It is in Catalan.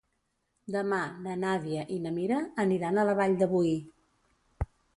Demà na Nàdia i na Mira aniran a la Vall de Boí.